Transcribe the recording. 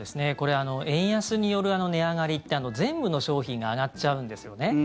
円安による値上がりって全部の商品が上がっちゃうんですよね。